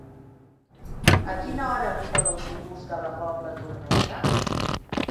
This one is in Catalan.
A quina hora arriba l'autobús de la Pobla Tornesa?